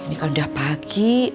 ini kan udah pagi